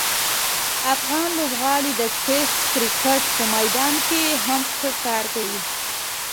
افغان لوبغاړي د ټسټ کرکټ په میدان کې هم ښه کار کوي.